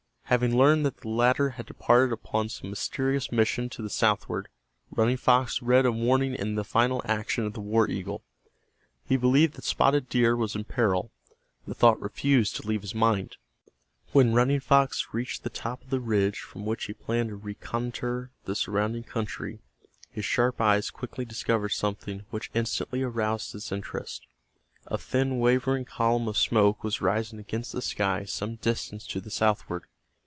Having learned that the latter had departed upon some mysterious mission to the southward, Running Fox read a warning in the final action of the war eagle. He believed that Spotted Deer was in peril. The thought refused to leave his mind. When Running Fox reached the top of the ridge from which he planned to reconnoiter the surrounding country, his sharp eyes quickly discovered something which instantly aroused his interest, A thin wavering column of smoke was rising against the sky some distance to the southward.